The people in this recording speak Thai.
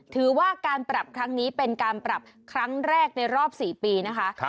ถือว่าการปรับครั้งนี้เป็นการปรับครั้งแรกในรอบ๔ปีนะคะ